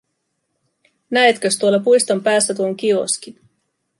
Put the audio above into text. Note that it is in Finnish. Näetkös, tuolla puiston päässä tuon kioskin.